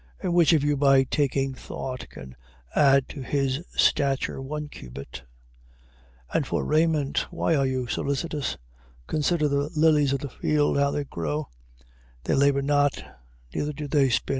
6:27. And which of you by taking thought, can add to his stature one cubit? 6:28. And for raiment why are you solicitous? Consider the lilies of the field, how they grow: they labour not, neither do they spin.